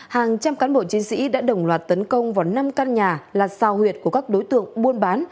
hàng trăm cán bộ chiến sĩ đã đồng loạt tấn công vào năm căn nhà là sao huyệt của các đối tượng buôn bán